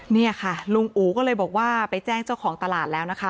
นี่ค่ะลุงอู๋ก็เลยบอกว่าไปแจ้งเจ้าของตลาดแล้วนะคะ